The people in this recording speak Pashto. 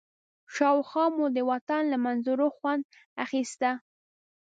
شاوخوا مو د وطن له منظرو خوند اخيسته.